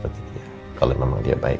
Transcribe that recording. terima kasih banyak banyak